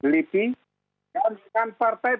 lipi dan dengan partai